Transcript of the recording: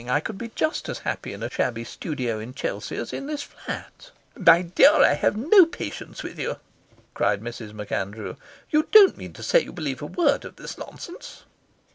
I could be just as happy in a shabby studio in Chelsea as in this flat." "My dear, I have no patience with you," cried Mrs. MacAndrew. "You don't mean to say you believe a word of this nonsense?"